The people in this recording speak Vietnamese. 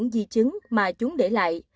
di chứng mà chúng để lại